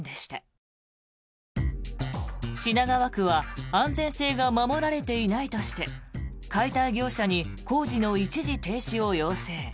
品川区は安全性が守られていないとして解体業者に工事の一時停止を要請。